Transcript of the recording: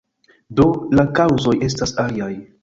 Do, la kaŭzoj estas aliaj.